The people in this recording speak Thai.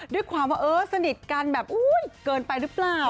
ด้วยความว่าสนิทกันเกินไปหรือเปล่า